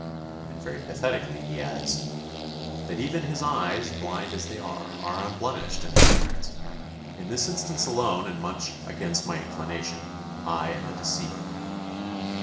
And very pathetically he adds, 'That even his eyes, blind as they are, are unblemished in their appearance; in this instance alone, and much against my inclination, I am a deceiver!